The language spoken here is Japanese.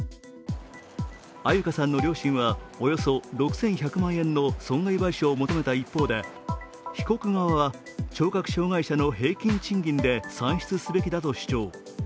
安優香さんの両親は、およそ６１００万円の損害賠償を求めた一方で被告側は聴覚障害者の平均賃金で算出すべきだと主張。